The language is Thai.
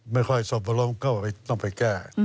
ไม่ค่อยสบบลงก็ต้องไปแก้